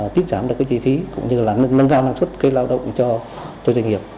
tiết giảm được cái chi phí cũng như là nâng cao năng suất cây lao động cho doanh nghiệp